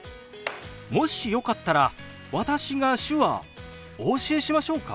もしよかったら私が手話お教えしましょうか？